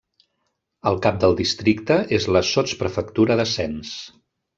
El cap del districte és la sotsprefectura de Sens.